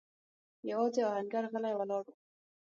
يواځې آهنګر غلی ولاړ و.